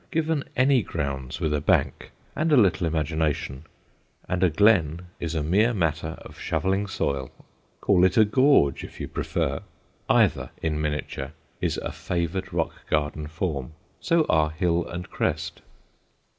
Given any grounds with a bank, and a little imagination, and a glen is a mere matter of shoveling soil. Call it a gorge, if you prefer. Either, in miniature, is a favored rock garden form; so are hill and crest.